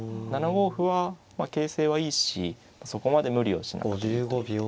７五歩は形勢はいいしそこまで無理をしなくていいと見て。